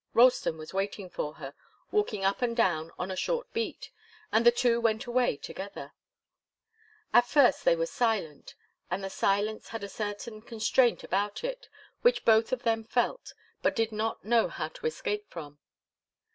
Ralston was waiting for her, walking up and down on a short beat, and the two went away together. At first they were silent, and the silence had a certain constraint about it which both of them felt, but did not know how to escape from.